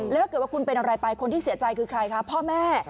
แล้วถ้าเกิดว่าคุณเป็นอะไรไปคนที่เสียใจคือใครคะพ่อแม่